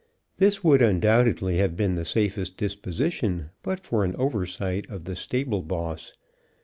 This would undoubtedly have been the safest disposition, but for an oversight of the "stable boss."